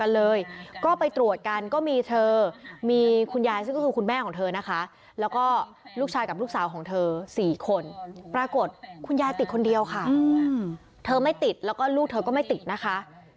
แล้วก็ลูกชายกับลูกสาวของเธอ๔คนปรากฏคุณยายติดคนเดียวค่ะเธอไม่ติดแล้วก็ลูกเธอก็ไม่ติดนะคะ